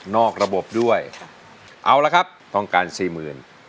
อกระบบด้วยเอาละครับต้องการสี่หมื่น